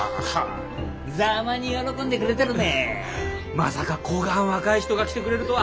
まさかこがん若い人が来てくれるとは。